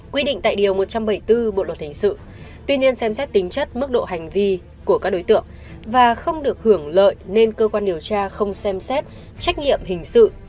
quy định tại điều một trăm bảy mươi bốn bộ luật hình sự tuy nhiên xem xét tính chất mức độ hành vi của các đối tượng và không được hưởng lợi nên cơ quan điều tra không xem xét trách nhiệm hình sự